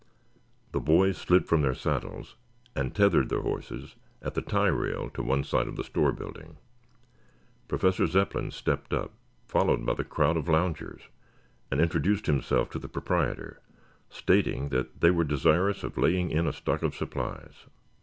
The boys slid from their saddles and tethered their horses at the tie rail to one side of the store building. Professor Zepplin stepped up, followed by the crowd of loungers, and introduced himself to the proprietor, stating that they were desirous of laying in a stock of supplies.